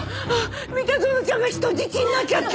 三田園ちゃんが人質になっちゃった！？